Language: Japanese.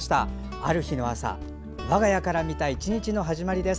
ある日の朝我が家から見た１日の始まりです。